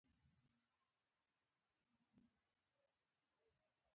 مرحوم مولوي صاحب چې لیکله.